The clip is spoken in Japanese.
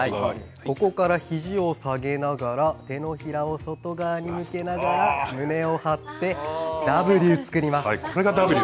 ここから肘を下げながら手のひらを外側に向けながら胸を張ってＷを作ります。